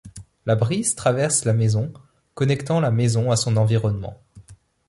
La brise traverse la maison, connectant la maison à son environnement.